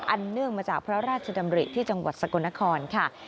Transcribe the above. เนื่องมาจากพระราชดำริที่จังหวัดสกลนครค่ะ